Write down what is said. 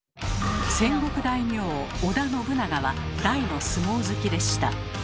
戦国大名織田信長は大の相撲好きでした。